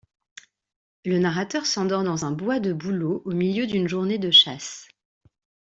Le narrateur s’endort dans un bois de bouleaux au milieu d’une journée de chasse.